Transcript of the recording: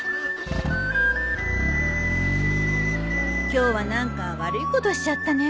今日は何か悪いことしちゃったね。